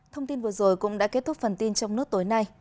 thông tin vừa rồi cũng đã kết thúc phần tin trong nước tối nay